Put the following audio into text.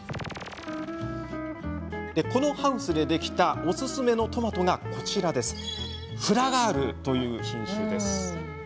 このハウスでできたおすすめのトマトがこちらフラガールという品種です。